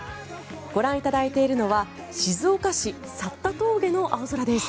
ご覧いただいているのは静岡市・さった峠の青空です。